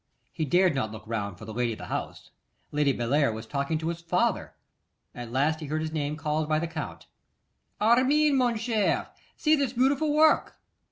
He dared not look round for the lady of the house. Lady Bellair was talking to his father. At last he heard his name called by the Count. 'Armine, mon cher, see this beautiful work!